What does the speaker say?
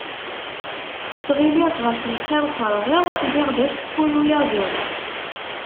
Ttɣilliɣ ɣef lxir terɣiḍ, ziɣ d asekkud uyaziḍ.